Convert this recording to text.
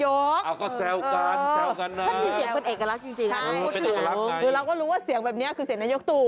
ใช่ถือเราก็รู้เสียงแบบนี้คือเสียงนายกตู่